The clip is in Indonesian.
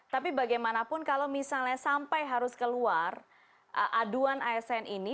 tapi bagaimanapun kalau misalnya sampai harus keluar aduan asn ini